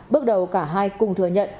bước đầu cả hai cùng thừa nhận